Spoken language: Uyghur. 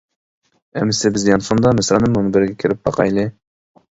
ئەمسە بىز يانفوندا مىسرانىم مۇنبىرىگە كىرىپ باقايلى!